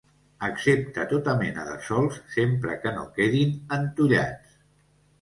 Accepta tota mena de sòls sempre que no quedin entollats.